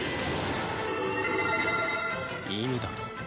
意味だと？